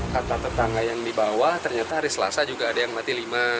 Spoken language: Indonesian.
kata tetangga yang di bawah ternyata hari selasa juga ada yang mati lima